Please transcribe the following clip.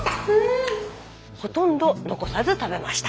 ほとんど残さず食べました。